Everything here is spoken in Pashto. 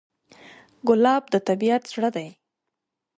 ګلاب د طبیعت زړه دی.